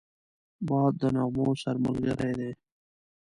باد د نغمو سره ملګری دی